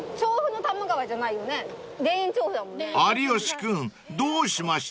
［有吉君どうしました？］